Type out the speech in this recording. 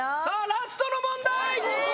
ラストの問題